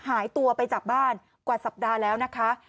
หายตัวไปจากบ้านกว่าสัปดาห์แล้วนะคะ